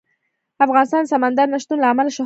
افغانستان د سمندر نه شتون له امله شهرت لري.